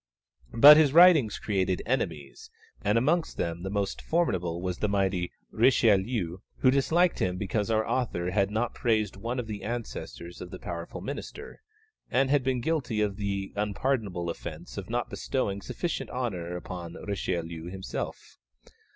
But his writings created enemies, and amongst them the most formidable was the mighty Richelieu, who disliked him because our author had not praised one of the ancestors of the powerful minister, and had been guilty of the unpardonable offence of not bestowing sufficient honour upon Richelieu himself.